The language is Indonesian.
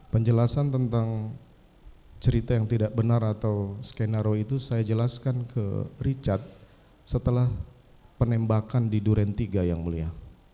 penjelasan tentang cerita yang tidak benar atau skenario itu saya jelaskan ke richard setelah penembakan di duren tiga yang mulia